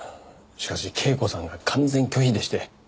しかし恵子さんが完全拒否でして。